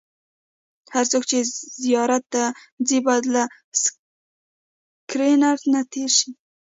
هر څوک چې زیارت ته ځي باید له سکېنر نه تېر شي.